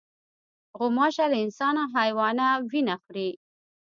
غوماشه له انسان او حیوانه وینه خوري.